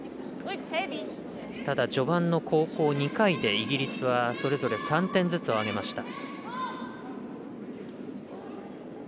ただ、序盤の後攻、２回でイギリスはそれぞれ３点ずつを挙げました。